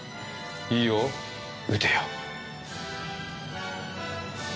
いいよ撃てよ。